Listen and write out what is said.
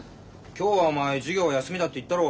今日はお前授業は休みだって言ったろ。